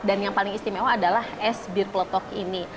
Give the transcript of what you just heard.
dan yang paling istimewa adalah es bir peletok ini